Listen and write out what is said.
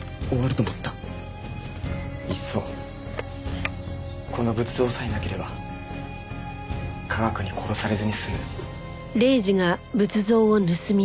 いっそこの仏像さえなければ科学に殺されずに済む。